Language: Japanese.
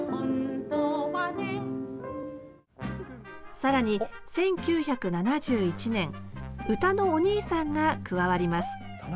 更に１９７１年歌のお兄さんが加わります。